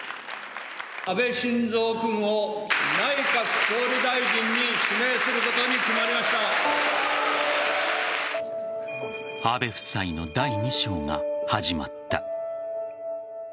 安倍晋三君を内閣総理大臣に指名することに安倍夫妻の第２章が始まった。